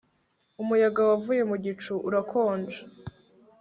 Umuyaga wavuye mu gicu urakonja